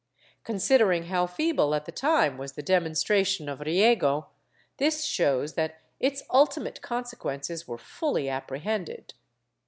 ^ Considering how feeble at the time was the demonstration of Riego, this shows that its ultimate consequences were fully apprehended.